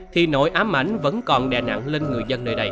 thì nỗi ám ảnh vẫn còn đè nặng lên người